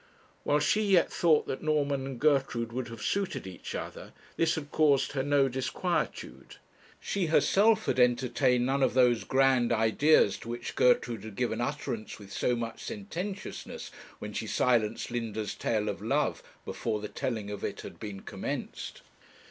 While she yet thought that Norman and Gertrude would have suited each other, this had caused her no disquietude. She herself had entertained none of those grand ideas to which Gertrude had given utterance with so much sententiousness, when she silenced Linda's tale of love before the telling of it had been commenced.